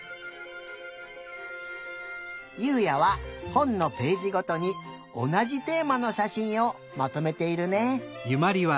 ゆうやはほんのページごとにおなじテーマのしゃしんをまとめているね。